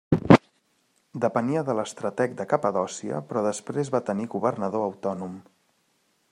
Depenia de l'estrateg de Capadòcia però després va tenir governador autònom.